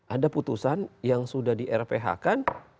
ada putusan yang sudah di rph kan